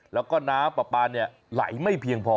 แล้วก็น้ำปลาปลาเนี่ยไหลไม่เพียงพอ